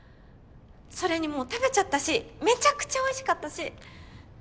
それにもう食べちゃったしめちゃくちゃおいしかったし。